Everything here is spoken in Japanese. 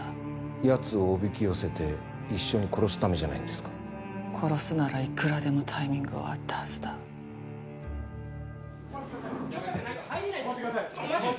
やつをおびきよせて一緒に殺すためじゃないんですか殺すならいくらでもタイミングはあったはずだ・お待ちください！